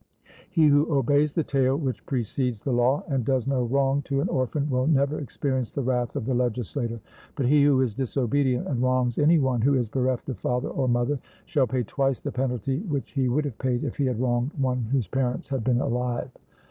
He who obeys the tale which precedes the law, and does no wrong to an orphan, will never experience the wrath of the legislator. But he who is disobedient, and wrongs any one who is bereft of father or mother, shall pay twice the penalty which he would have paid if he had wronged one whose parents had been alive.